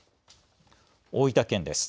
大分県です。